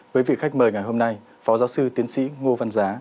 với vị khách mời ngày hôm nay phó giáo sư tiến sĩ ngô văn giá